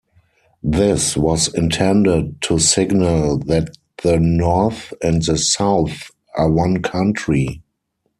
This was intended to signal that the North and the South are one country.